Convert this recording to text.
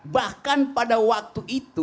bahkan pada waktu itu